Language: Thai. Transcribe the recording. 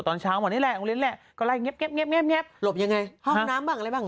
ห้องน้ำบ้างอะไรบ้าง